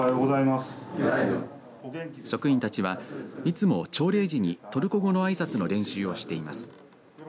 職員たちは、いつも朝礼時にトルコ語のあいさつの練習をしています。